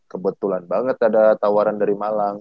kebetulan banget ada tawaran dari malang